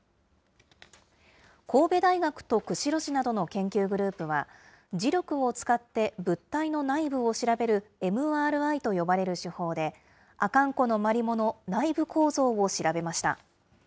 神戸大学と釧路市などの研究グループは、磁力を使って、物体の内部を調べるＭＲＩと呼ばれる手法で、阿寒湖のマリモの内部構造を調べました。